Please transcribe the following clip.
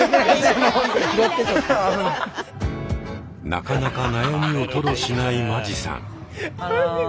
なかなか悩みを吐露しない間地さん。